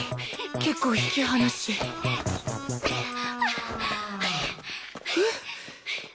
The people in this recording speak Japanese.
結構引き離しえっ！